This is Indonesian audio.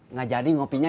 nggak jadi ngopinya d